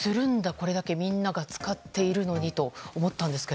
これだけみんなが使っているのにと思ったんですが。